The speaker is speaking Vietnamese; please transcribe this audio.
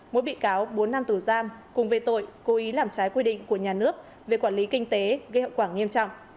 mỗi bị cáo bốn năm tù giam cùng về tội cố ý làm trái quy định của nhà nước về quản lý kinh tế gây hậu quả nghiêm trọng